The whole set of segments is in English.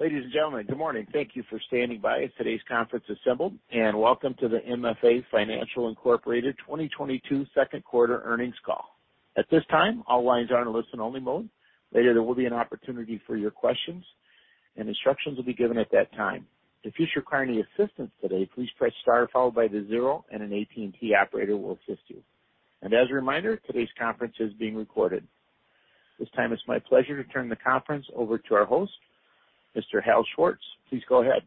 Ladies and gentlemen, good morning. Thank you for standing by in today's conference assemble, and welcome to the MFA Financial, Inc 2022 Second Quarter Earnings Call. At this time, all lines are in listen-only mode. Later, there will be an opportunity for your questions and instructions will be given at that time. If you should require any assistance today, please press star followed by the zero and an AT&T operator will assist you. As a reminder, today's conference is being recorded. This time, it's my pleasure to turn the conference over to our host, Mr. Hal Schwartz. Please go ahead.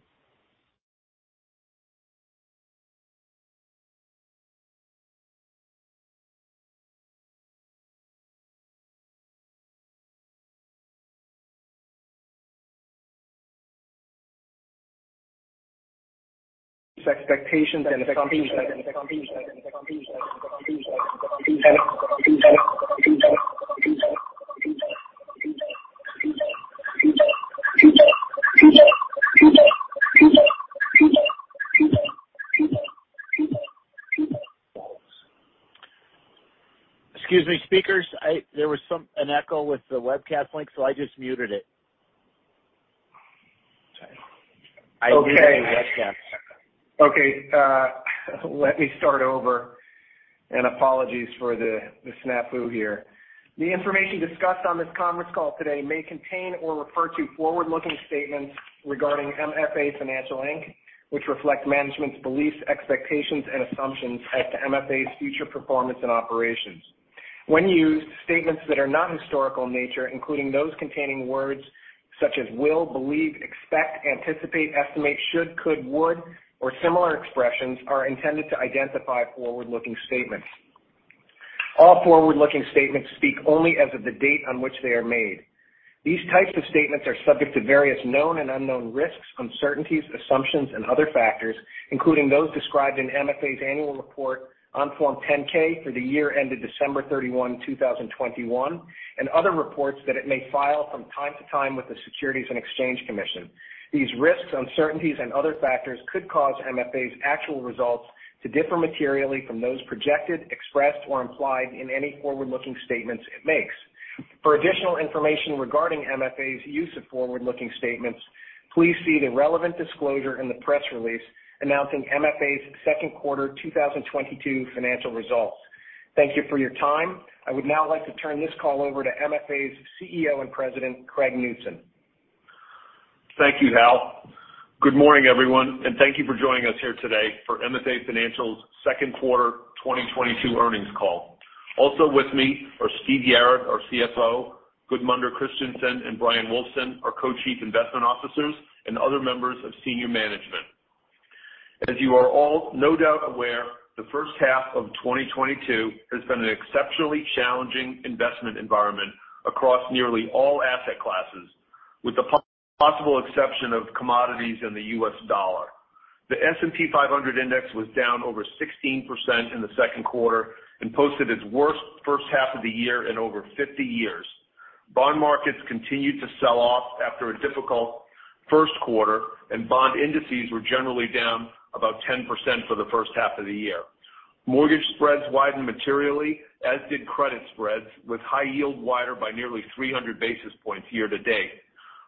Expectations and assumptions. Excuse me, speakers. There was some, an echo with the webcast link, so I just muted it. Okay. I muted the webcast. Okay, let me start over. Apologies for the snafu here. The information discussed on this conference call today may contain or refer to forward-looking statements regarding MFA Financial, Inc, which reflect management's beliefs, expectations and assumptions as to MFA's future performance and operations. When used, statements that are not historical in nature, including those containing words such as will, believe, expect, anticipate, estimate, should, could, would, or similar expressions are intended to identify forward-looking statements. All forward-looking statements speak only as of the date on which they are made. These types of statements are subject to various known and unknown risks, uncertainties, assumptions and other factors, including those described in MFA's annual report on Form 10-K for the year ended December 31, 2021, and other reports that it may file from time to time with the Securities and Exchange Commission. These risks, uncertainties and other factors could cause MFA's actual results to differ materially from those projected, expressed or implied in any forward-looking statements it makes. For additional information regarding MFA's use of forward-looking statements, please see the relevant disclosure in the press release announcing MFA's second quarter 2022 financial results. Thank you for your time. I would now like to turn this call over to MFA's CEO and President, Craig Knutson. Thank you, Hal. Good morning, everyone, and thank you for joining us here today for MFA Financial's second quarter 2022 earnings call. Also with me are Steve Yarad, our CFO, Gudmundur Kristjansson and Bryan Wulfsohn, our Co-Chief Investment Officers and other members of senior management. As you are all no doubt aware, the first half of 2022 has been an exceptionally challenging investment environment across nearly all asset classes with the possible exception of commodities and the U.S. dollar. The S&P 500 index was down over 16% in the second quarter and posted its worst first half of the year in over 50 years. Bond markets continued to sell off after a difficult first quarter, and bond indices were generally down about 10% for the first half of the year. Mortgage spreads widened materially, as did credit spreads with high-yield wider by nearly 300 basis points year-to-date.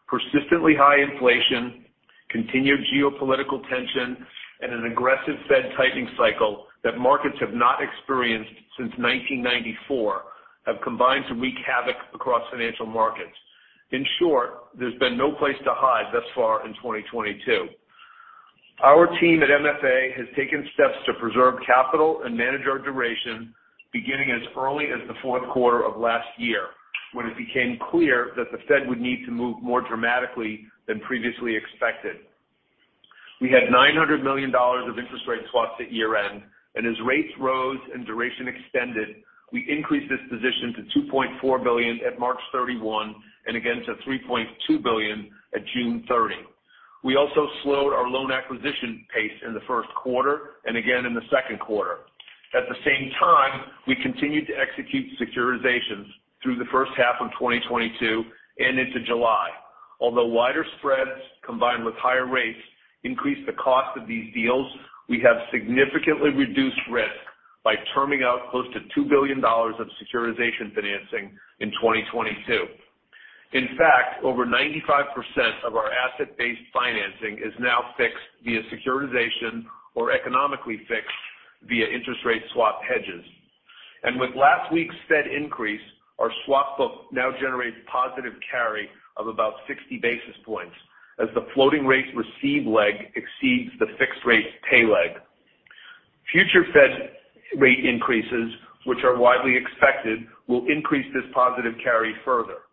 Persistently high inflation, continued geopolitical tension and an aggressive Fed tightening cycle that markets have not experienced since 1994 have combined to wreak havoc across financial markets. In short, there's been no place to hide thus far in 2022. Our team at MFA has taken steps to preserve capital and manage our duration beginning as early as the fourth quarter of last year, when it became clear that the Fed would need to move more dramatically than previously expected. We had $900 million of interest rate swaps at year-end, and as rates rose and duration extended, we increased this position to $2.4 billion at March 31 and again to $3.2 billion at June 30. We also slowed our loan acquisition pace in the first quarter and again in the second quarter. At the same time, we continued to execute securitizations through the first half of 2022 and into July. Although wider spreads combined with higher rates increased the cost of these deals, we have significantly reduced risk by terming out close to $2 billion of securitization financing in 2022. In fact, over 95% of our asset-based financing is now fixed via securitization or economically fixed via interest rate swap hedges. With last week's Fed increase, our swap book now generates positive carry of about 60 basis points as the floating rate receive leg exceeds the fixed rate pay leg. Future Fed rate increases, which are widely expected, will increase this positive carry further.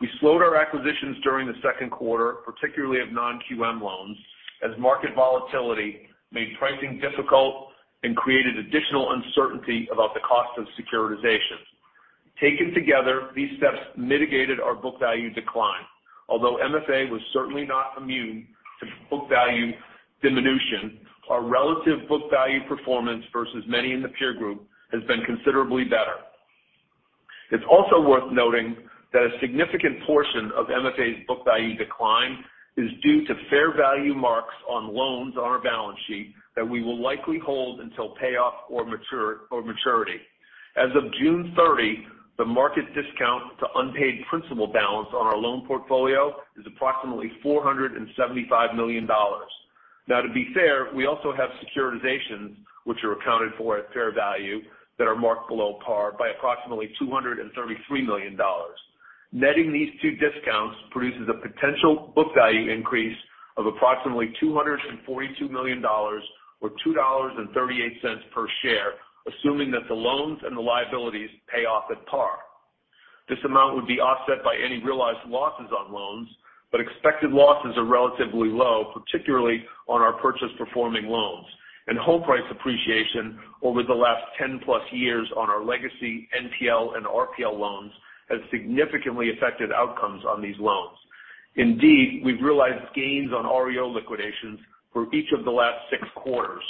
We slowed our acquisitions during the second quarter, particularly of non-QM loans as market volatility made pricing difficult and created additional uncertainty about the cost of securitization. Taken together, these steps mitigated our book value decline. Although MFA was certainly not immune to book value diminution, our relative book value performance versus many in the peer group has been considerably better. It's also worth noting that a significant portion of MFA's book value decline is due to fair value marks on loans on our balance sheet that we will likely hold until payoff or maturity. As of June 30, the market discount to unpaid principal balance on our loan portfolio is approximately $475 million. Now, to be fair, we also have securitizations which are accounted for at fair value that are marked below par by approximately $233 million. Netting these two discounts produces a potential book value increase of approximately $242 million or $2.38 per share, assuming that the loans and the liabilities pay off at par. This amount would be offset by any realized losses on loans, but expected losses are relatively low, particularly on our purchase performing loans. Home price appreciation over the last 10+ years on our legacy NPL and RPL loans has significantly affected outcomes on these loans. Indeed, we've realized gains on REO liquidations for each of the last six quarters.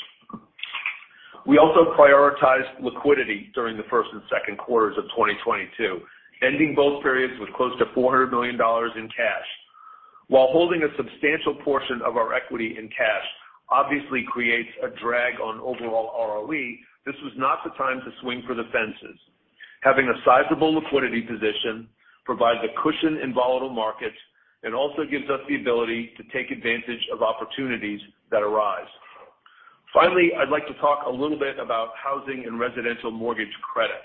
We also prioritized liquidity during the first and second quarters of 2022, ending both periods with close to $400 million in cash. While holding a substantial portion of our equity in cash obviously creates a drag on overall ROE, this was not the time to swing for the fences. Having a sizable liquidity position provides a cushion in volatile markets and also gives us the ability to take advantage of opportunities that arise. Finally, I'd like to talk a little bit about housing and residential mortgage credit.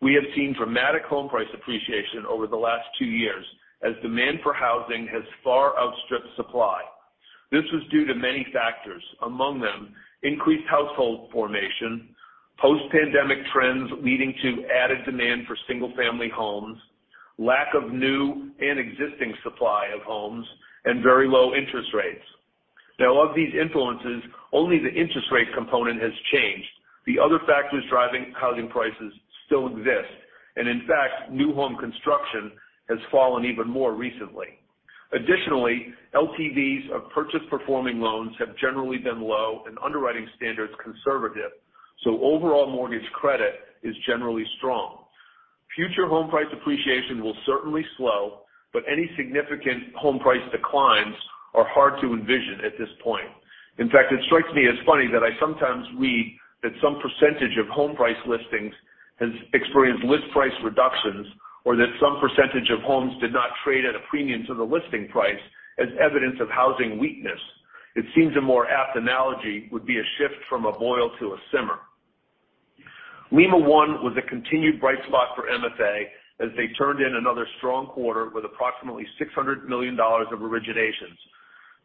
We have seen dramatic home price appreciation over the last two years as demand for housing has far outstripped supply. This was due to many factors, among them increased household formation, post-pandemic trends leading to added demand for single-family homes, lack of new and existing supply of homes, and very low interest rates. Now of these influences, only the interest rate component has changed. The other factors driving housing prices still exist, and in fact, new home construction has fallen even more recently. Additionally, LTVs of purchase performing loans have generally been low and underwriting standards conservative, so overall mortgage credit is generally strong. Future home price appreciation will certainly slow, but any significant home price declines are hard to envision at this point. In fact, it strikes me as funny that I sometimes read that some percentage of home price listings has experienced list price reductions or that some percentage of homes did not trade at a premium to the listing price as evidence of housing weakness. It seems a more apt analogy would be a shift from a boil to a simmer. Lima One was a continued bright spot for MFA as they turned in another strong quarter with approximately $600 million of originations.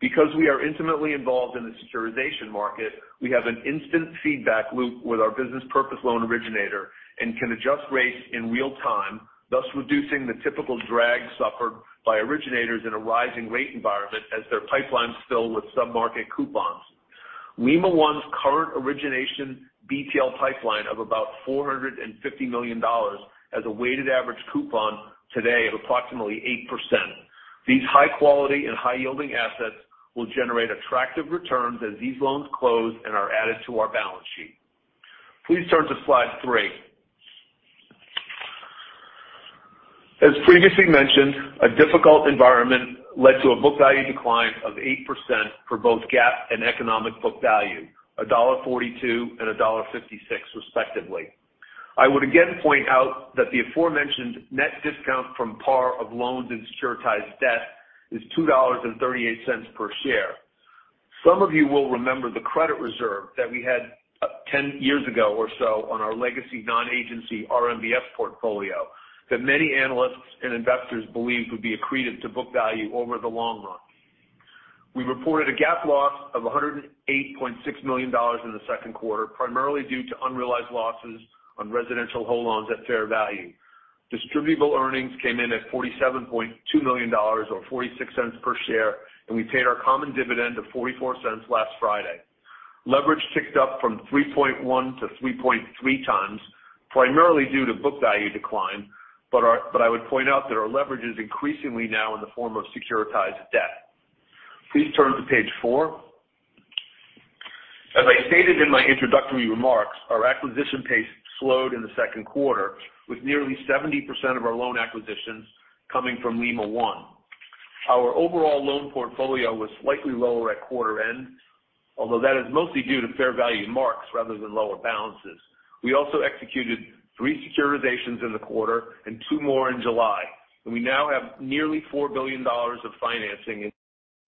Because we are intimately involved in the securitization market, we have an instant feedback loop with our business purpose loan originator and can adjust rates in real time, thus reducing the typical drag suffered by originators in a rising rate environment as their pipelines fill with sub-market coupons. Lima One's current origination BPL pipeline of about $450 million has a weighted average coupon today of approximately 8%. These high-quality and high-yielding assets will generate attractive returns as these loans close and are added to our balance sheet. Please turn to slide three. As previously mentioned, a difficult environment led to a book value decline of 8% for both GAAP and economic book value, $1.42 and $1.56 respectively. I would again point out that the aforementioned net discount from par of loans and securitized debt is $2.38 per share. Some of you will remember the credit reserve that we had 10 years ago or so on our legacy non-agency RMBS portfolio that many analysts and investors believed would be accreted to book value over the long run. We reported a GAAP loss of $108.6 million in the second quarter, primarily due to unrealized losses on residential whole loans at fair value. Distributable earnings came in at $47.2 million or $0.46 per share, and we paid our common dividend of $0.44 last Friday. Leverage ticked up from 3.1-3.3x, primarily due to book value decline. I would point out that our leverage is increasingly now in the form of securitized debt. Please turn to page four. As I stated in my introductory remarks, our acquisition pace slowed in the second quarter, with nearly 70% of our loan acquisitions coming from Lima One. Our overall loan portfolio was slightly lower at quarter end, although that is mostly due to fair value marks rather than lower balances. We also executed three securitizations in the quarter and two more in July, and we now have nearly $4 billion of financing in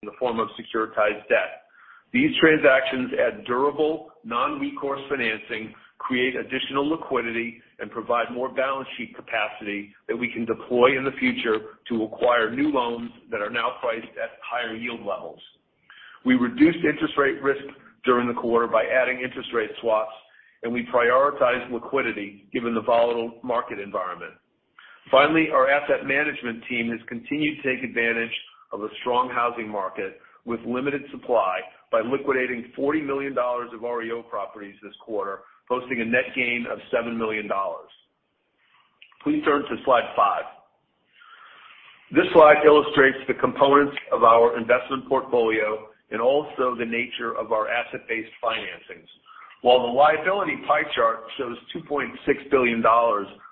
the form of securitized debt. These transactions add durable non-recourse financing, create additional liquidity, and provide more balance sheet capacity that we can deploy in the future to acquire new loans that are now priced at higher yield levels. We reduced interest rate risk during the quarter by adding interest rate swaps, and we prioritized liquidity given the volatile market environment. Finally, our asset management team has continued to take advantage of a strong housing market with limited supply by liquidating $40 million of REO properties this quarter, posting a net gain of $7 million. Please turn to slide five. This slide illustrates the components of our investment portfolio and also the nature of our asset-based financings. While the liability pie chart shows $2.6 billion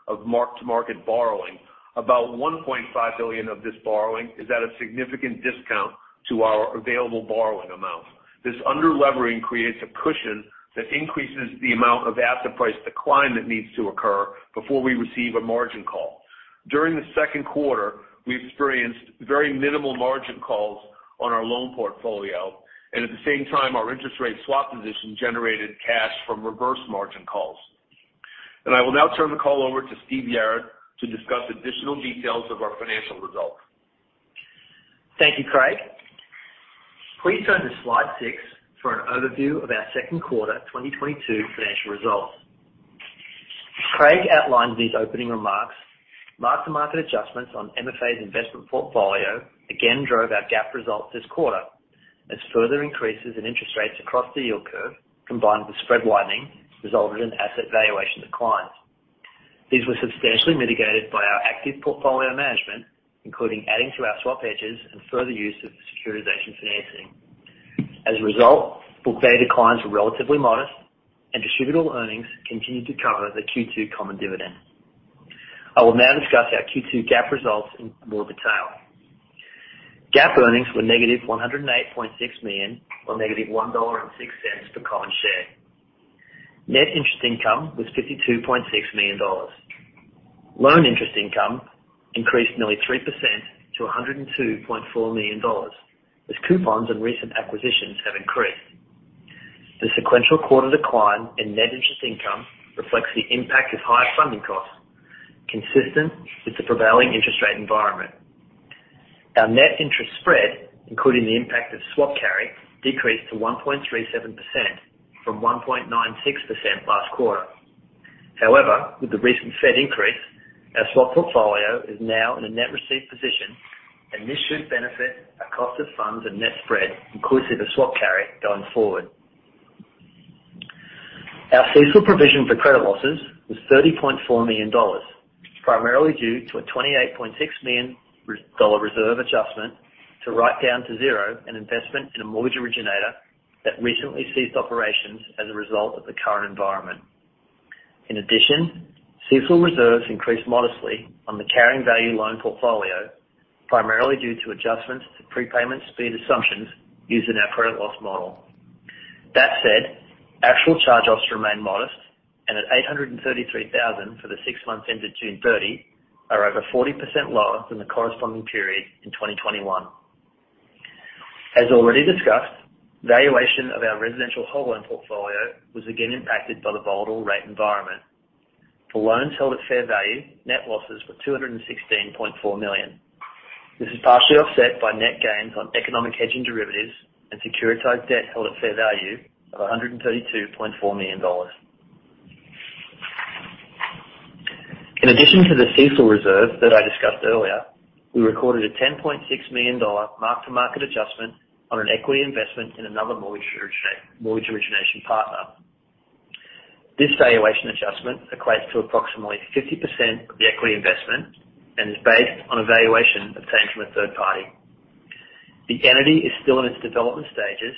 of mark-to-market borrowing. About $1.5 billion of this borrowing is at a significant discount to our available borrowing amount. This under-levering creates a cushion that increases the amount of asset price decline that needs to occur before we receive a margin call. During the second quarter, we experienced very minimal margin calls on our loan portfolio, and at the same time, our interest rate swap position generated cash from reverse margin calls. I will now turn the call over to Steve Yarad to discuss additional details of our financial results. Thank you, Craig. Please turn to slide six for an overview of our second quarter 2022 financial results. Craig outlined these opening remarks. Mark-to-market adjustments on MFA's investment portfolio again drove our GAAP results this quarter. As further increases in interest rates across the yield curve, combined with spread widening, resulted in asset valuation declines. These were substantially mitigated by our active portfolio management, including adding to our swap hedges and further use of securitization financing. As a result, book value declines were relatively modest and distributable earnings continued to cover the Q2 common dividend. I will now discuss our Q2 GAAP results in more detail. GAAP earnings were -$108.6 million or -$1.06 per common share. Net interest income was $52.6 million. Loan interest income increased nearly 3% to $102.4 million, as coupons and recent acquisitions have increased. The sequential quarter decline in net interest income reflects the impact of higher funding costs, consistent with the prevailing interest rate environment. Our net interest spread, including the impact of swap carry, decreased to 1.37% from 1.96% last quarter. However, with the recent Fed increase, our swap portfolio is now in a net receipt position, and this should benefit our cost of funds and net spread inclusive of swap carry going forward. Our CECL provision for credit losses was $30.4 million, primarily due to a $28.6 million dollar reserve adjustment to write down to zero an investment in a mortgage originator that recently ceased operations as a result of the current environment. In addition, CECL reserves increased modestly on the carrying value loan portfolio, primarily due to adjustments to prepayment speed assumptions used in our credit loss model. That said, actual charge-offs remain modest and at $833,000 for the six months ended June 30, are over 40% lower than the corresponding period in 2021. As already discussed, valuation of our residential whole loan portfolio was again impacted by the volatile rate environment. For loans held at fair value, net losses were $216.4 million. This is partially offset by net gains on economic hedging derivatives and securitized debt held at fair value of $132.4 million. In addition to the CECL reserve that I discussed earlier, we recorded a $10.6 million mark-to-market adjustment on an equity investment in another mortgage origination partner. This valuation adjustment equates to approximately 50% of the equity investment and is based on a valuation obtained from a third party. The entity is still in its development stages,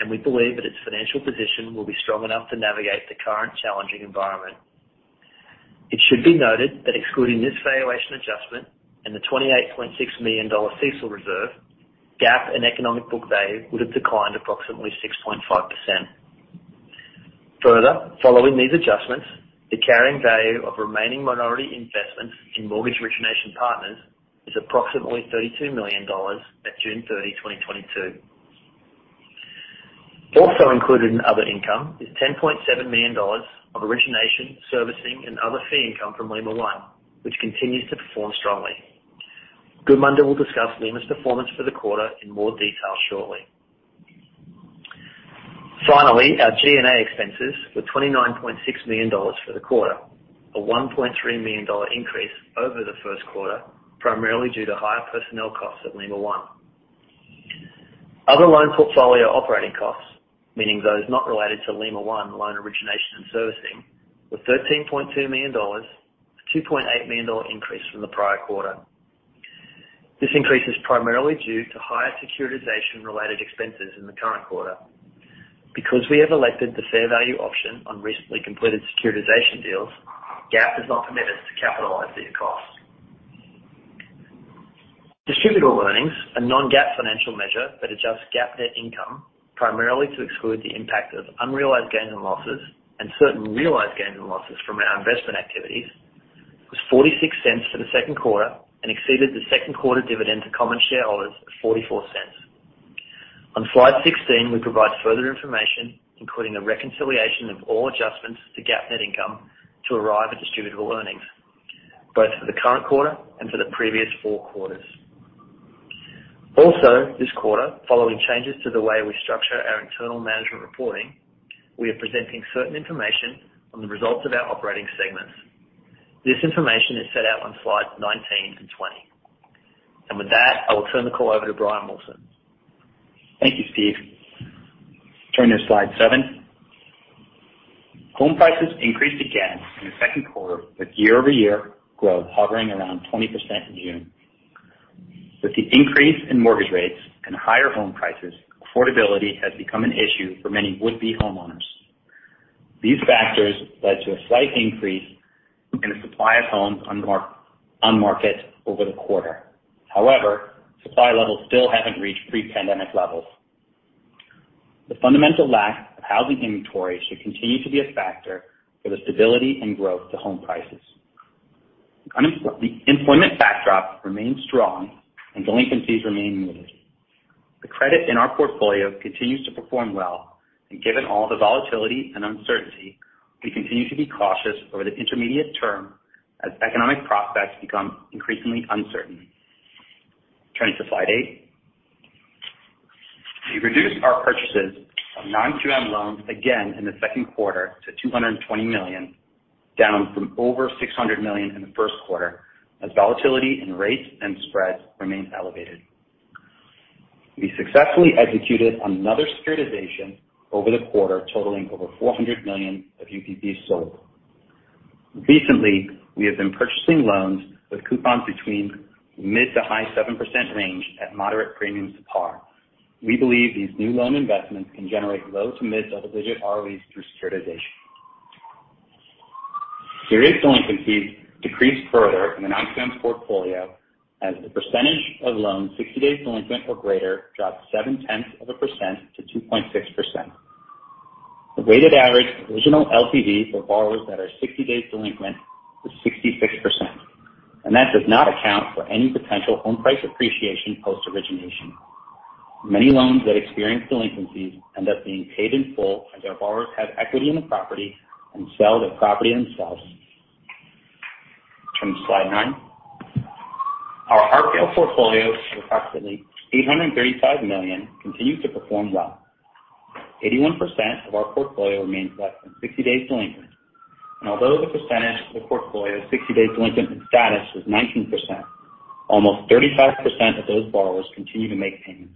and we believe that its financial position will be strong enough to navigate the current challenging environment. It should be noted that excluding this valuation adjustment and the $28.6 million CECL reserve, GAAP and economic book value would have declined approximately 6.5%. Further, following these adjustments, the carrying value of remaining minority investments in mortgage origination partners is approximately $32 million at June 30, 2022. Also included in other income is $10.7 million of origination, servicing, and other fee income from Lima One, which continues to perform strongly. Gudmundur will discuss Lima's performance for the quarter in more detail shortly. Finally, our G&A expenses were $29.6 million for the quarter, a $1.3 million increase over the first quarter, primarily due to higher personnel costs at Lima One. Other loan portfolio operating costs, meaning those not related to Lima One loan origination and servicing, were $13.2 million, a $2.8 million increase from the prior quarter. This increase is primarily due to higher securitization related expenses in the current quarter. Because we have elected the fair value option on recently completed securitization deals, GAAP does not permit us to capitalize these costs. Distributable earnings, a non-GAAP financial measure that adjusts GAAP net income primarily to exclude the impact of unrealized gains and losses and certain realized gains and losses from our investment activities, was $0.46 for the second quarter and exceeded the second quarter dividend to common shareholders of $0.44. On slide 16, we provide further information, including a reconciliation of all adjustments to GAAP net income to arrive at distributable earnings, both for the current quarter and for the previous four quarters. Also, this quarter, following changes to the way we structure our internal management reporting, we are presenting certain information on the results of our operating segments. This information is set out on slide 19-20. With that, I will turn the call over to Bryan Wulfsohn. Thank you, Steve. Turn to slide seven. Home prices increased again in the second quarter, with year-over-year growth hovering around 20% in June. With the increase in mortgage rates and higher home prices, affordability has become an issue for many would-be homeowners. These factors led to a slight increase in the supply of homes on market over the quarter. However, supply levels still haven't reached pre-pandemic levels. The fundamental lack of housing inventory should continue to be a factor for the stability and growth to home prices. The employment backdrop remains strong and delinquencies remain muted. The credit in our portfolio continues to perform well, and given all the volatility and uncertainty, we continue to be cautious over the intermediate term as economic prospects become increasingly uncertain. Turning to slide eight. We reduced our purchases of non-QM loans again in the second quarter to $220 million, down from over $600 million in the first quarter, as volatility in rates and spreads remains elevated. We successfully executed another securitization over the quarter, totaling over $400 million of UPBs sold. Recently, we have been purchasing loans with coupons between mid to high 7% range at moderate premiums to par. We believe these new loan investments can generate low to mid-double-digit ROEs through securitization. Serious delinquencies decreased further in the non-QM portfolio as the percentage of loans 60 days delinquent or greater dropped 0.7%-2.6%. The weighted average original LTV for borrowers that are 60 days delinquent was 66%, and that does not account for any potential home price appreciation post-origination. Many loans that experience delinquencies end up being paid in full as their borrowers have equity in the property and sell the property themselves. Turning to slide nine. Our RPL portfolio of approximately $835 million continues to perform well. 81% of our portfolio remains less than 60 days delinquent. Although the percentage of the portfolio 60 days delinquent in status was 19%, almost 35% of those borrowers continue to make payments.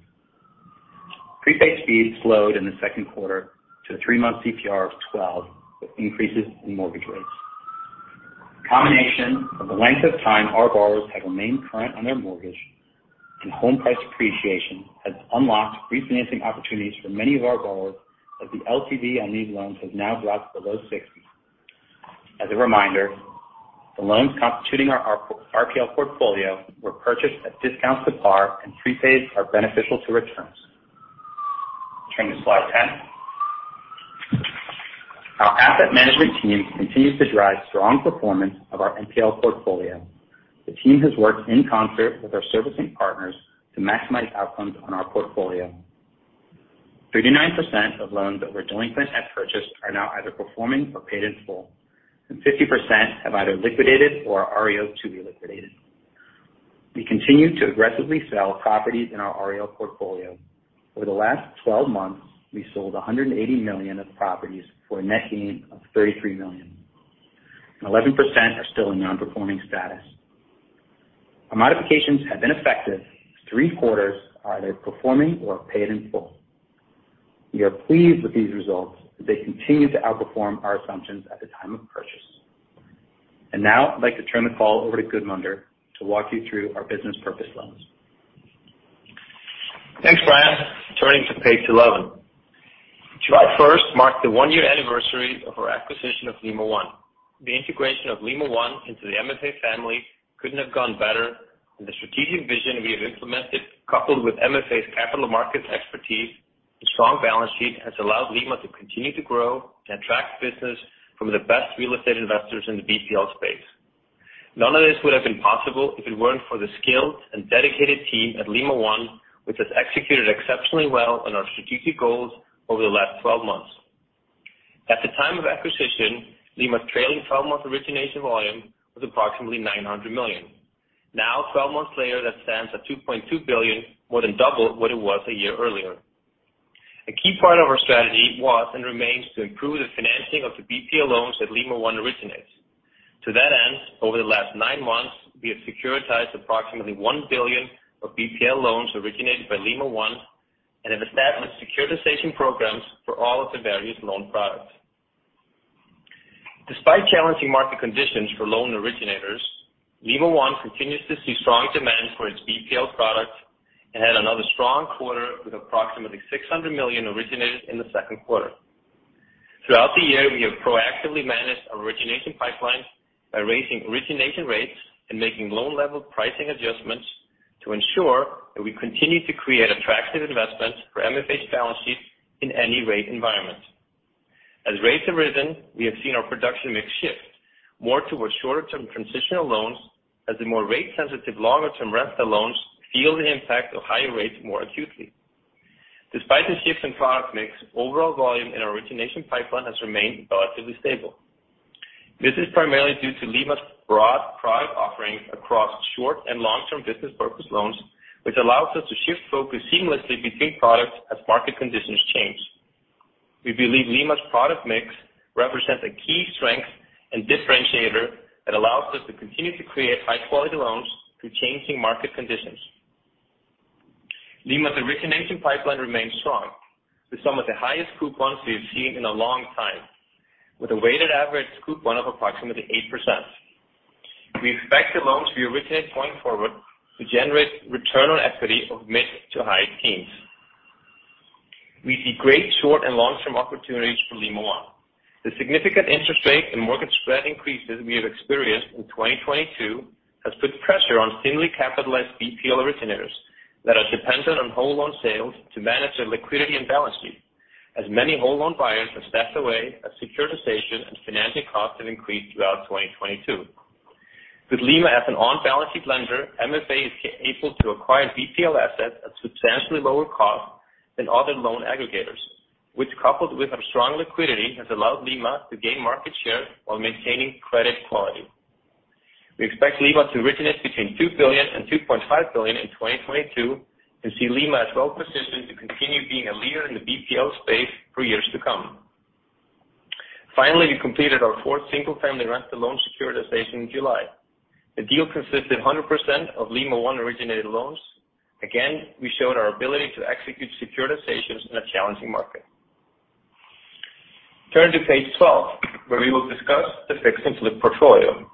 Prepay speeds slowed in the second quarter to a three-month CPR of 12, with increases in mortgage rates. A combination of the length of time our borrowers have remained current on their mortgage and home price appreciation has unlocked refinancing opportunities for many of our borrowers as the LTV on these loans has now dropped below 60. As a reminder, the loans constituting our RPL portfolio were purchased at discounts to par and prepayments are beneficial to returns. Turning to slide 10. Our asset management team continues to drive strong performance of our NPL portfolio. The team has worked in concert with our servicing partners to maximize outcomes on our portfolio. 39% of loans that were delinquent at purchase are now either performing or paid in full, and 50% have either liquidated or are REOs to be liquidated. We continue to aggressively sell properties in our REO portfolio. Over the last 12 months, we sold $180 million of properties for a net gain of $33 million, and 11% are still in nonperforming status. Our modifications have been effective, as three-quarters are either performing or paid in full. We are pleased with these results as they continue to outperform our assumptions at the time of purchase. Now I'd like to turn the call over to Gudmundur to walk you through our business purpose loans. Thanks, Bryan. Turning to page 11. July first marked the one-year anniversary of our acquisition of Lima One. The integration of Lima One into the MFA family couldn't have gone better, and the strategic vision we have implemented, coupled with MFA's capital markets expertise and strong balance sheet, has allowed Lima to continue to grow and attract business from the best real estate investors in the BPL space. None of this would have been possible if it weren't for the skilled and dedicated team at Lima One, which has executed exceptionally well on our strategic goals over the last 12 months. At the time of acquisition, Lima's trailing 12-month origination volume was approximately $900 million. Now, 12 months later, that stands at $2.2 billion, more than double what it was a year earlier. A key part of our strategy was and remains to improve the financing of the BPL loans that Lima One originates. To that end, over the last nine months, we have securitized approximately $1 billion of BPL loans originated by Lima One and have established securitization programs for all of the various loan products. Despite challenging market conditions for loan originators, Lima One continues to see strong demand for its BPL products and had another strong quarter with approximately $600 million originated in the second quarter. Throughout the year, we have proactively managed our origination pipeline by raising origination rates and making loan-level pricing adjustments to ensure that we continue to create attractive investments for MFA's balance sheet in any rate environment. As rates have risen, we have seen our production mix shift more towards shorter-term transitional loans as the more rate-sensitive longer-term rental loans feel the impact of higher rates more acutely. Despite the shift in product mix, overall volume in our origination pipeline has remained relatively stable. This is primarily due to Lima's broad product offerings across short- and long-term business purpose loans, which allows us to shift focus seamlessly between products as market conditions change. We believe Lima's product mix represents a key strength and differentiator that allows us to continue to create high-quality loans through changing market conditions. Lima's origination pipeline remains strong with some of the highest coupons we've seen in a long time, with a weighted average coupon of approximately 8%. We expect the loans we originate going forward to generate return on equity of mid to high teens. We see great short and long-term opportunities for Lima One. The significant interest rate and mortgage spread increases we have experienced in 2022 has put pressure on thinly capitalized BPL originators that are dependent on whole loan sales to manage their liquidity and balance sheet, as many whole loan buyers have stepped away as securitization and financing costs have increased throughout 2022. With Lima as an on-balance sheet lender, MFA is able to acquire BPL assets at substantially lower cost than other loan aggregators, which, coupled with our strong liquidity, has allowed Lima to gain market share while maintaining credit quality. We expect Lima to originate between $2 billion and $2.5 billion in 2022 and see Lima as well-positioned to continue being a leader in the BPL space for years to come. Finally, we completed our fourth single-family rental loan securitization in July. The deal consisted 100% of Lima One originated loans. Again, we showed our ability to execute securitizations in a challenging market. Turn to page 12, where we will discuss the Fix and Flip portfolio.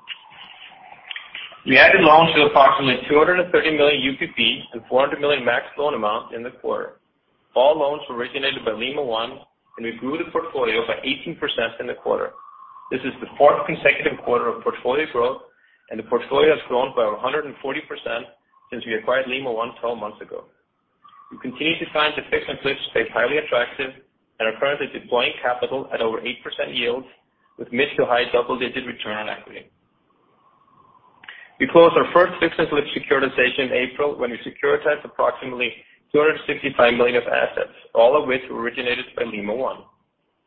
We added loans of approximately $230 million UPB and $400 million max loan amount in the quarter. All loans were originated by Lima One, and we grew the portfolio by 18% in the quarter. This is the fourth consecutive quarter of portfolio growth, and the portfolio has grown by 140% since we acquired Lima One 12 months ago. We continue to find the Fix and Flip space highly attractive and are currently deploying capital at over 8% yield with mid to high double-digit return on equity. We closed our first Fix and Flip securitization in April when we securitized approximately $265 million of assets, all of which were originated by Lima One.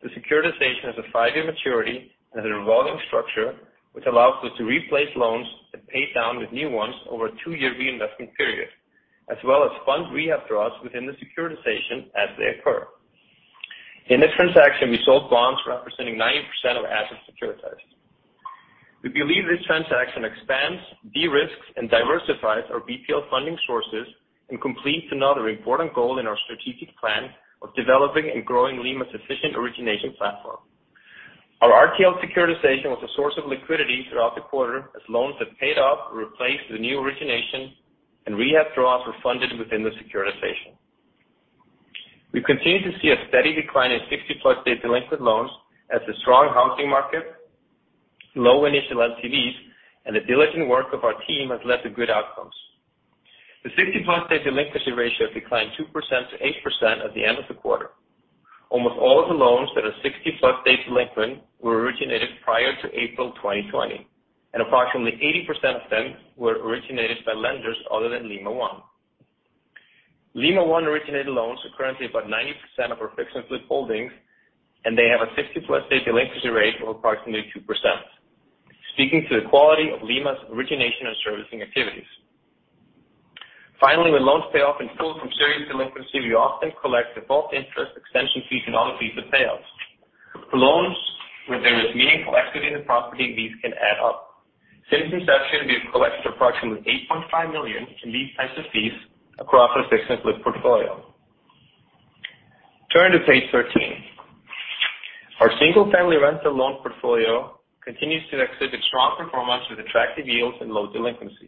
The securitization has a five-year maturity and a revolving structure, which allows us to replace loans and pay down with new ones over a two-year reinvestment period, as well as fund rehab draws within the securitization as they occur. In this transaction, we sold bonds representing 90% of assets securitized. We believe this transaction expands, de-risks, and diversifies our BPL funding sources and completes another important goal in our strategic plan of developing and growing Lima's efficient origination platform. Our RTL securitization was a source of liquidity throughout the quarter as loans were paid off or replaced with new origination, and rehab draws were funded within the securitization. We continue to see a steady decline in 60+ day delinquent loans as the strong housing market, low initial LTVs, and the diligent work of our team has led to good outcomes. The 60+ day delinquency ratio declined 2%-8% at the end of the quarter. Almost all of the loans that are 60+ day delinquent were originated prior to April 2020, and approximately 80% of them were originated by lenders other than Lima One. Lima One originated loans are currently about 90% of our Fix and Flip holdings, and they have a 60+ day delinquency rate of approximately 2%, speaking to the quality of Lima's origination and servicing activities. Finally, when loans pay off in full from serious delinquency, we often collect default interest, extension fees, and other fees on payoffs. For loans where there is meaningful equity in the property, these can add up. Since inception, we've collected approximately $8.5 million in these types of fees across our Fix and Flip portfolio. Turn to page 13. Our single-family rental loan portfolio continues to exhibit strong performance with attractive yields and low delinquency.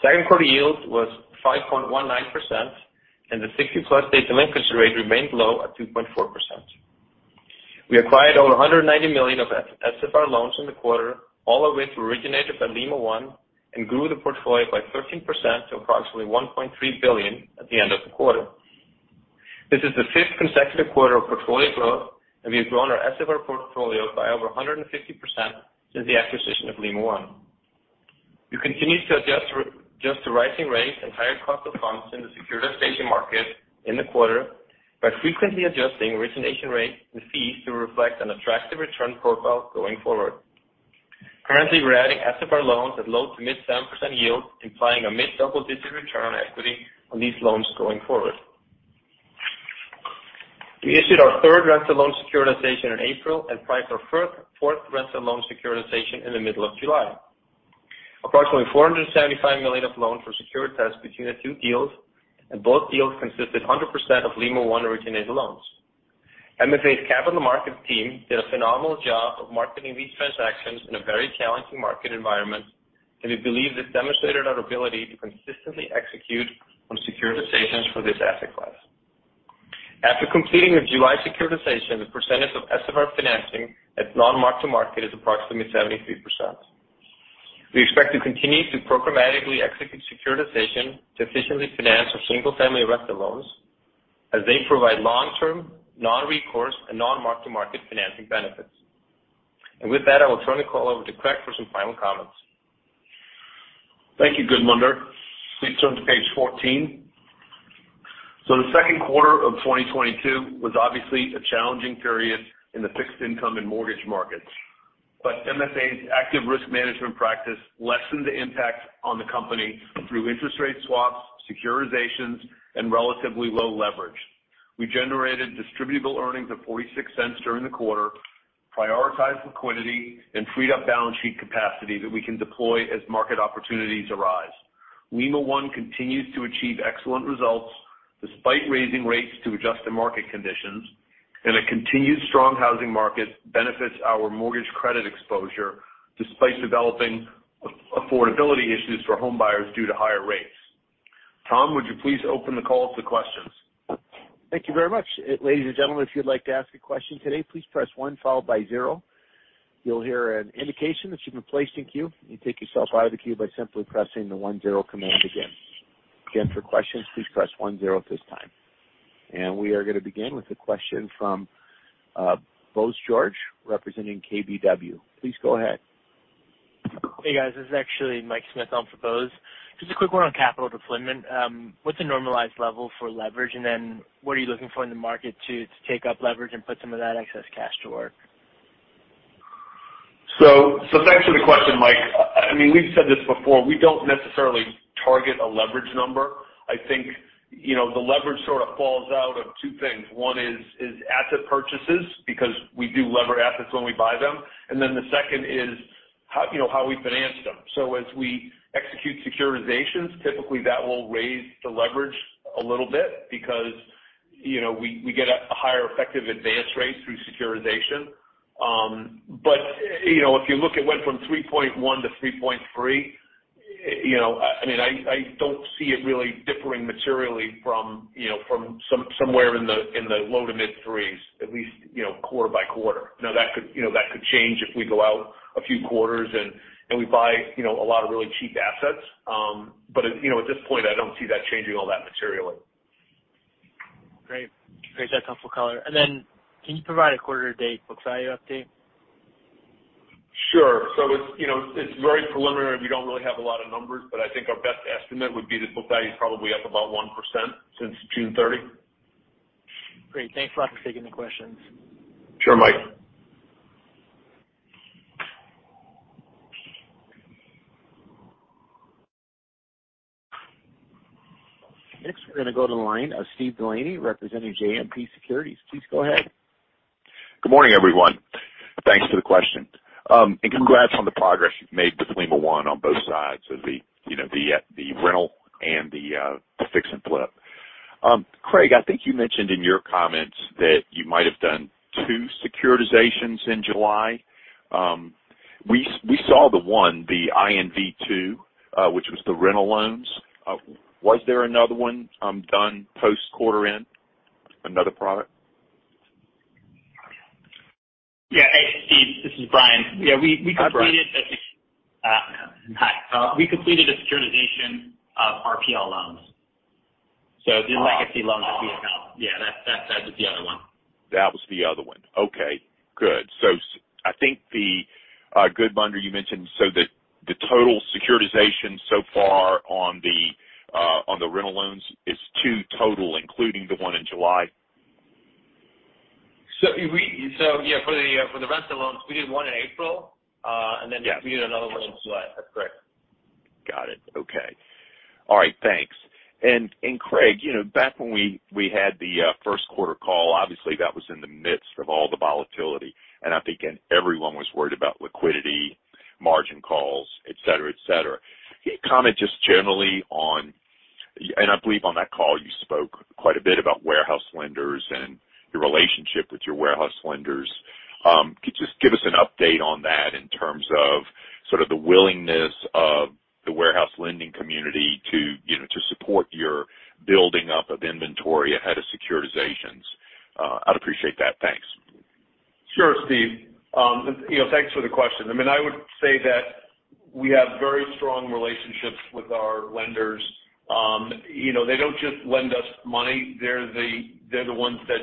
Second quarter yield was 5.19%, and the 60+ day delinquency rate remained low at 2.4%. We acquired over $190 million of F-SFR loans in the quarter, all of which were originated by Lima One and grew the portfolio by 13% to approximately $1.3 billion at the end of the quarter. This is the fifth consecutive quarter of portfolio growth, and we've grown our SFR portfolio by over 150% since the acquisition of Lima One. We continue to adjust to rising rates and higher cost of funds in the securitization market in the quarter by frequently adjusting origination rates and fees to reflect an attractive return profile going forward. Currently, we're adding SFR loans at low to mid-7% yield, implying a mid double-digit return on equity on these loans going forward. We issued our third rental loan securitization in April and priced our fourth rental loan securitization in the middle of July. Approximately $475 million of loans were securitized between the two deals, and both deals consisted 100% of Lima One originated loans. MFA's capital markets team did a phenomenal job of marketing these transactions in a very challenging market environment, and we believe this demonstrated our ability to consistently execute on securitizations for this asset class. After completing the July securitization, the percentage of SFR financing that's non-mark-to-market is approximately 73%. We expect to continue to programmatically execute securitization to efficiently finance our single-family rental loans as they provide long-term, non-recourse, and non-mark-to-market financing benefits. With that, I will turn the call over to Craig for some final comments. Thank you, Gudmundur. Please turn to page 14. The second quarter of 2022 was obviously a challenging period in the fixed income and mortgage markets, but MFA's active risk management practice lessened the impact on the company through interest rate swaps, securitizations, and relatively low leverage. We generated distributable earnings of $0.46 during the quarter, prioritized liquidity, and freed up balance sheet capacity that we can deploy as market opportunities arise. Lima One continues to achieve excellent results despite raising rates to adjust to market conditions. A continued strong housing market benefits our mortgage credit exposure despite developing affordability issues for home buyers due to higher rates. Tom, would you please open the call to questions? Thank you very much. Ladies and gentlemen, if you'd like to ask a question today, please press one followed by zero. You'll hear an indication that you've been placed in queue. You can take yourself out of the queue by simply pressing the one-zero command again. Again, for questions, please press one zero at this time. We are gonna begin with a question from Bose George, representing KBW. Please go ahead. Hey, guys. This is actually Mike Smith on for Bose. Just a quick one on capital deployment. What's a normalized level for leverage? What are you looking for in the market to take up leverage and put some of that excess cash to work? Thanks for the question, Mike. I mean, we've said this before, we don't necessarily target a leverage number. I think, you know, the leverage sort of falls out of two things. One is asset purchases because we do leverage assets when we buy them. Then the second is how, you know, how we finance them. As we execute securitizations, typically that will raise the leverage a little bit because, you know, we get a higher effective advance rate through securitization. But, you know, if you look, it went from 3.1-3.3, you know, I mean, I don't see it really differing materially from, you know, from somewhere in the low to mid threes at least, you know, quarter by quarter. Now that could, you know, that could change if we go out a few quarters and we buy, you know, a lot of really cheap assets. But, you know, at this point, I don't see that changing all that materially. Great. That's helpful color. Can you provide a quarter to date book value update? Sure. It's, you know, it's very preliminary. We don't really have a lot of numbers, but I think our best estimate would be the book value is probably up about 1% since June 30. Great. Thanks a lot for taking the questions. Sure, Mike. Next, we're gonna go to the line of Steve Delaney, representing JMP Securities. Please go ahead. Good morning, everyone. Thanks for the question. Congrats on the progress you've made with Lima One on both sides of the, you know, the rental and the fix and flip. Craig, I think you mentioned in your comments that you might have done two securitizations in July. We saw the one, the INVH2, which was the rental loans. Was there another one, done post quarter end, another product? Yeah. Hey, Steve, this is Bryan. Yeah, we completed- Hi, Bryan. Hi. We completed a securitization of RPL loans. The legacy loans that we account. Yeah, that was the other one. That was the other one. Okay, good. I think the good lender you mentioned, so the total securitization so far on the rental loans is two total, including the one in July? Yeah, for the rental loans, we did one in April. Yeah. We did another one in July. That's correct. Got it. Okay. All right. Thanks. And Craig, you know, back when we had the first quarter call, obviously that was in the midst of all the volatility. I'm thinking everyone was worried about liquidity, margin calls, et cetera, et cetera. I believe on that call you spoke quite a bit about warehouse lenders and your relationship with your warehouse lenders. Could you just give us an update on that in terms of sort of the willingness of the warehouse lending community to, you know, to support your building up of inventory ahead of securitizations? I'd appreciate that. Thanks. Sure, Steve. You know, thanks for the question. I mean, I would say that we have very strong relationships with our lenders. You know, they don't just lend us money, they're the ones that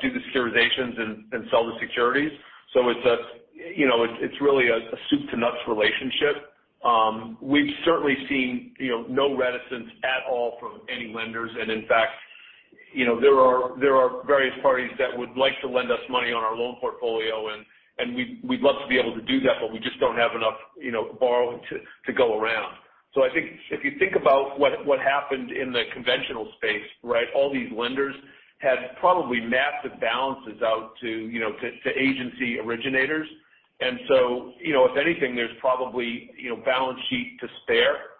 do the securitizations and sell the securities. It's really a soup to nuts relationship. We've certainly seen no reticence at all from any lenders. In fact, you know, there are various parties that would like to lend us money on our loan portfolio and we'd love to be able to do that, but we just don't have enough borrowing to go around. I think if you think about what happened in the conventional space, right? All these lenders had probably mapped the balances out to, you know, to agency originators. You know, if anything, there's probably, you know, balance sheet to spare.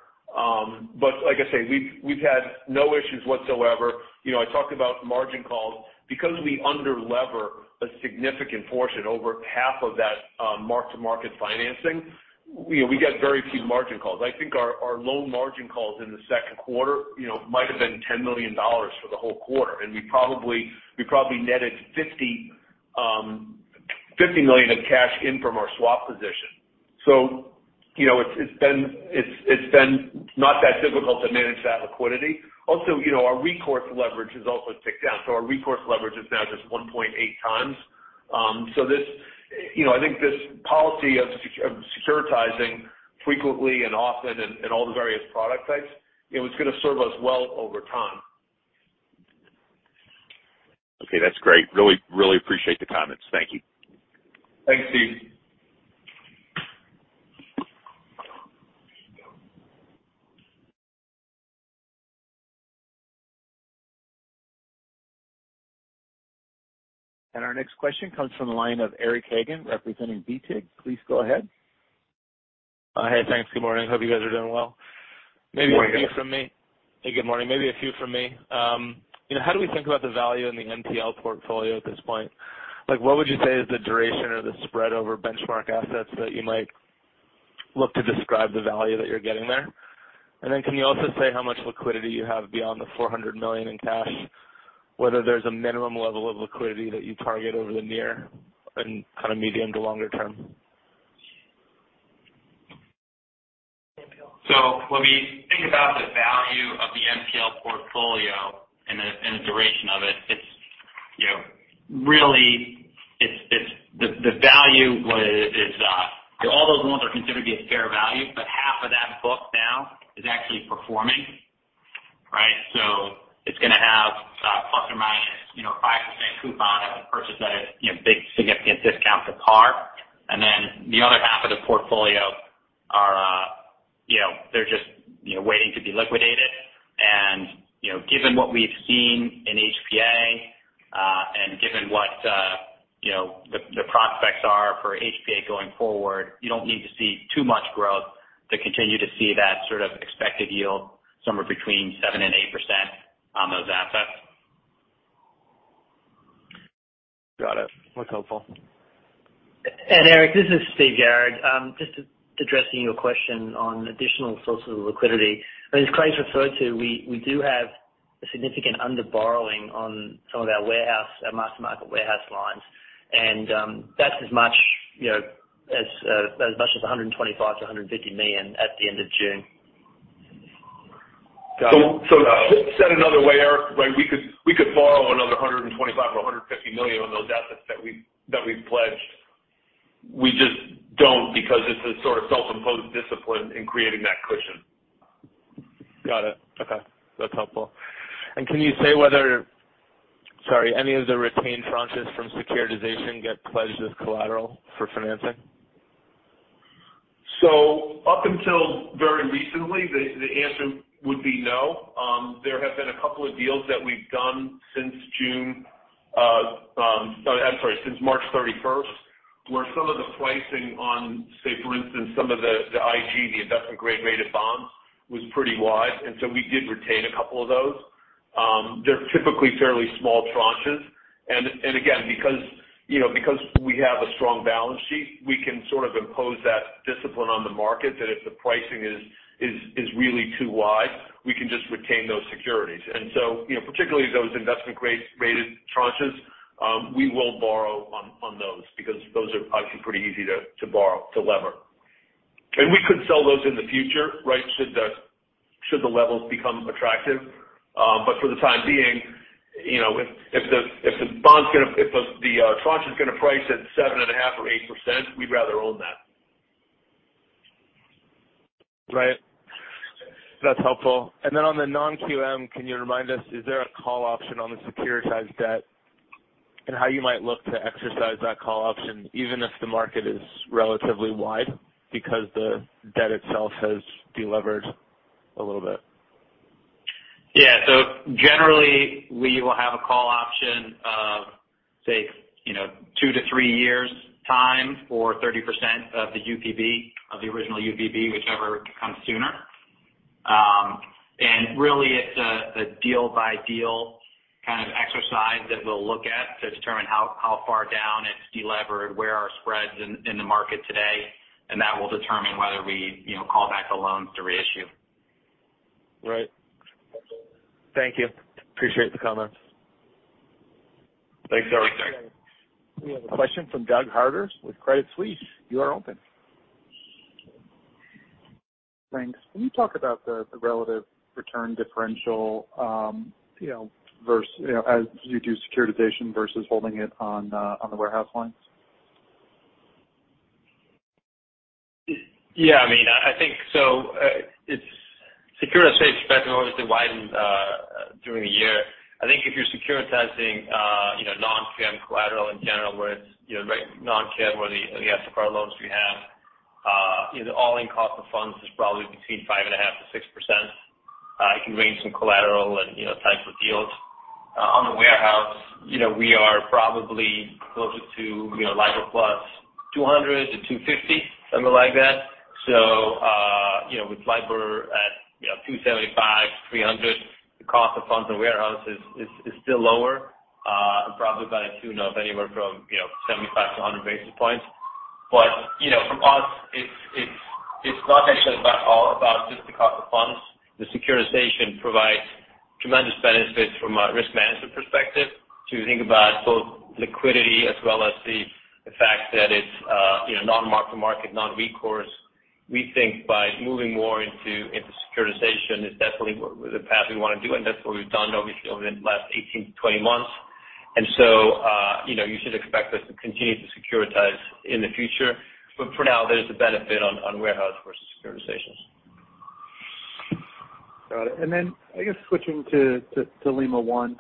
Like I say, we've had no issues whatsoever. You know, I talked about margin calls. Because we underlever a significant portion, over half of that, mark-to-market financing, you know, we get very few margin calls. I think our loan margin calls in the second quarter, you know, might have been $10 million for the whole quarter. We probably netted $50 million of cash in from our swap position. You know, it's been not that difficult to manage that liquidity. Also, you know, our recourse leverage has also ticked down. Our recourse leverage is now just 1.8x. This... You know, I think this policy of securitizing frequently and often in all the various product types, it was gonna serve us well over time. Okay. That's great. Really, really appreciate the comments. Thank you. Thanks, Steve. Our next question comes from the line of Eric Hagen, representing BTIG. Please go ahead. Hey, thanks. Good morning. Hope you guys are doing well. Good morning. Maybe a few from me. Hey, good morning. You know, how do we think about the value in the NPL portfolio at this point? Like, what would you say is the duration or the spread over benchmark assets that you might look to describe the value that you're getting there? Can you also say how much liquidity you have beyond the $400 million in cash, whether there's a minimum level of liquidity that you target over the near and kind of medium to longer term? When we think about the value of the NPL portfolio and the duration of it's, you know, really the value is all those loans are considered to be at fair value, but half of that book now is actually performing, right? It's gonna have, plus or minus, you know, 5% coupon at the purchase at a, you know, big significant discount to par. Then the other half of the portfolio are, you know, they're just, you know, waiting to be liquidated. You know, given what we've seen in HPA and given what, you know, the prospects are for HPA going forward, you don't need to see too much growth to continue to see that sort of expected yield somewhere between 7% and 8% on those assets. Got it. That's helpful. Eric, this is Steve Yarad. Just addressing your question on additional sources of liquidity. I mean, as Craig referred to, we do have a significant under-borrowing on some of our warehouse, our master market warehouse lines. That's as much, you know, as much as $125 million-$150 million at the end of June. Got it. Said another way, Eric, right, we could borrow another $125 million or $150 million on those assets that we've pledged. We just don't because it's a sort of self-imposed discipline in creating that cushion. Got it. Okay, that's helpful. Can you say any of the retained tranches from securitization get pledged as collateral for financing? Up until very recently, the answer would be no. There have been a couple of deals that we've done since March 31st, where some of the pricing on, say for instance, some of the IG, the investment grade rated bonds was pretty wide, and we did retain a couple of those. They're typically fairly small tranches. Again, because you know we have a strong balance sheet, we can sort of impose that discipline on the market that if the pricing is really too wide, we can just retain those securities. You know, particularly those investment grade-rated tranches, we won't borrow on those because those are actually pretty easy to borrow, to lever. We could sell those in the future, right, should the levels become attractive. But for the time being, you know, if the tranche is gonna price at 7.5%-8%, we'd rather own that. Right. That's helpful. On the non-QM, can you remind us, is there a call option on the securitized debt, and how you might look to exercise that call option even if the market is relatively wide because the debt itself has delevered a little bit? Yeah. Generally, we will have a call option of, say, you know, two-three years' time for 30% of the UPB, of the original UPB, whichever comes sooner. Really it's a deal by deal kind of exercise that we'll look at to determine how far down it's delevered, where are spreads in the market today, and that will determine whether we, you know, call back the loans to reissue. Right. Thank you. Appreciate the comments. Thanks, Eric. We have a question from Doug Harter with Credit Suisse. You are open. Thanks. Can you talk about the relative return differential, you know, versus, you know, as you do securitization versus holding it on the warehouse lines? Yeah. I mean, I think so. It's securitized spread obviously widened during the year. I think if you're securitizing, you know, non-QM collateral in general where it's, you know, right, non-QM or the SFR loans we have, you know, the all-in cost of funds is probably between 5.5%-6%. It can range in collateral and, you know, types of deals. On the warehouse, you know, we are probably closer to, you know, LIBOR plus 200-250, something like that. You know, with LIBOR at, you know, 2.75-3.00, the cost of funds on warehouse is still lower, and probably to the tune of anywhere from, you know, 75-100 basis points. You know, from us, it's not actually all about just the cost of funds. The securitization provides tremendous benefits from a risk management perspective to think about both liquidity as well as the fact that it's you know non-mark-to-market, non-recourse. We think by moving more into securitization is definitely the path we wanna do, and that's what we've done obviously over the last 18-20 months. You know, you should expect us to continue to securitize in the future. For now, there's a benefit on warehouse versus securitizations. Got it. I guess switching to Lima One.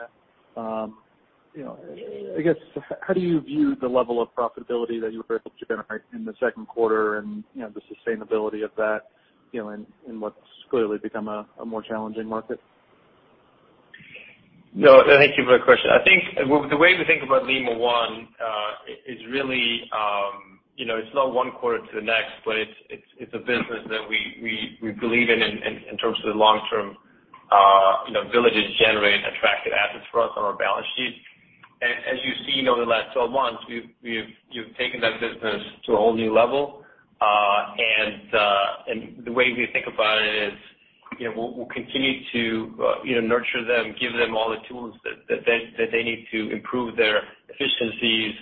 You know, I guess, how do you view the level of profitability that you were able to generate in the second quarter and, you know, the sustainability of that, you know, in what's clearly become a more challenging market? No. Thank you for that question. I think the way we think about Lima One is really, you know, it's not one quarter to the next, but it's a business that we believe in in terms of the long-term, you know, ability to generate attractive assets for us on our balance sheet. As you've seen over the last 12 months, we've taken that business to a whole new level. The way we think about it is, you know, we'll continue to, you know, nurture them, give them all the tools that they need to improve their efficiencies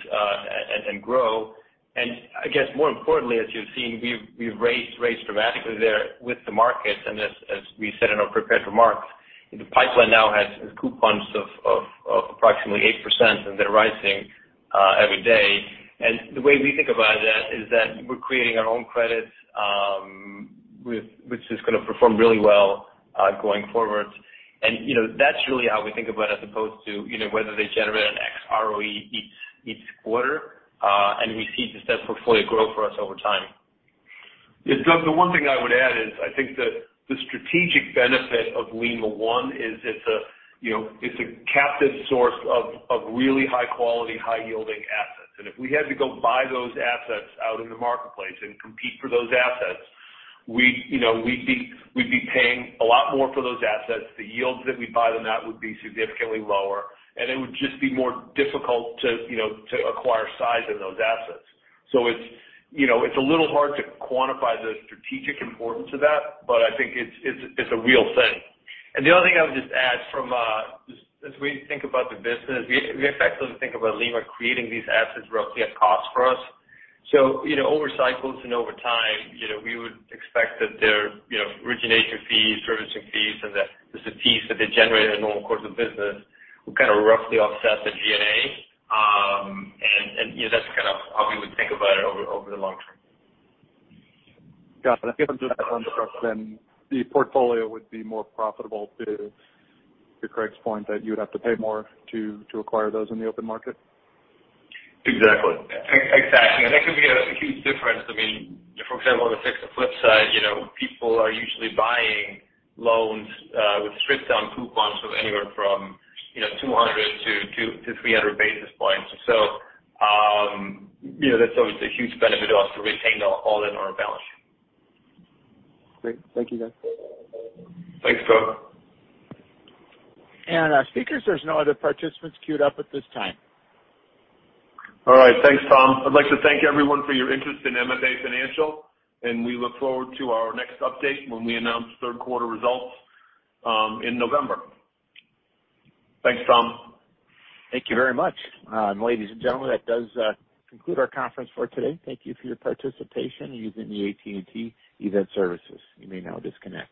and grow. I guess more importantly, as you've seen, we've raised dramatically there with the markets. As we said in our prepared remarks, the pipeline now has coupons of approximately 8%, and they're rising every day. The way we think about that is that we're creating our own credits with which is gonna perform really well going forward. You know, that's really how we think about as opposed to, you know, whether they generate an X ROE each quarter. We see that portfolio grow for us over time. Yeah. The one thing I would add is I think that the strategic benefit of Lima One is it's a, you know, it's a captive source of really high quality, high yielding assets. If we had to go buy those assets out in the marketplace and compete for those assets, we'd, you know, we'd be paying a lot more for those assets. The yields that we buy them at would be significantly lower, and it would just be more difficult to, you know, to acquire size in those assets. It's, you know, a little hard to quantify the strategic importance of that, but I think it's a real thing. The other thing I would just add from, as we think about the business, we effectively think about Lima creating these assets roughly at cost for us. You know, over cycles and over time, you know, we would expect that their, you know, origination fees, servicing fees, and the, just the fees that they generate in the normal course of business will kind of roughly offset the G&A. And you know, that's kind of how we would think about it over the long term. Got it. The portfolio would be more profitable, to Craig's point, that you would have to pay more to acquire those in the open market? Exactly. That can be a huge difference. I mean, for example, on the fix and flip side, you know, people are usually buying loans with stripped down coupons of anywhere from 200-300 basis points. That's always a huge benefit to us to retain them all in our balance sheet. Great. Thank you, guys. Thanks, Doug. Speakers, there's no other participants queued up at this time. All right. Thanks, Tom. I'd like to thank everyone for your interest in MFA Financial, and we look forward to our next update when we announce third quarter results in November. Thanks, Tom. Thank you very much. Ladies and gentlemen, that does conclude our conference for today. Thank you for your participation using the AT&T Event Services. You may now disconnect.